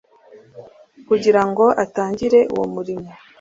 kugirango atangire uwo murimo